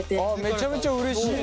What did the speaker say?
めちゃめちゃうれしいね。